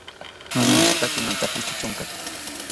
Nomishitaki nantakiri kityonkari